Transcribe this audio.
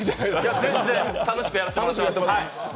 いや全然、楽しくやらせてもらってます。